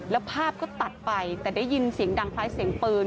แล้วภาพก็ตัดไปแต่ได้ยินเสียงดังคล้ายเสียงปืน